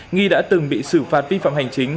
nghi đã từng bị xử phạt vi phạm hành chính